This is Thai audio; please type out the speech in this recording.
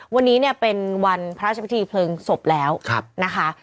วันนี้เป็นวันพระอาชาบิทธิพลึงศพแล้วนะคะ